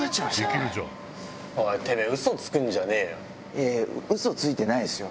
いやいやウソついてないですよ。